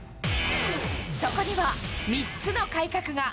そこには３つの改革が。